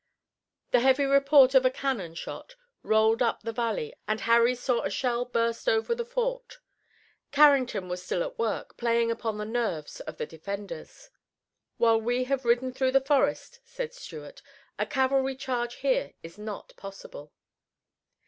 The heavy report of a cannon shot rolled up the valley and Harry saw a shell burst over the fort. Carrington was still at work, playing upon the nerves of the defenders. "While we have ridden through the forest," said Stuart, "a cavalry charge here is not possible.